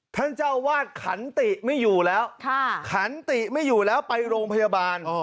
ท่านเจ้าวาดขันติไม่อยู่แล้วขันติไม่อยู่แล้วไปโรงพยาบาล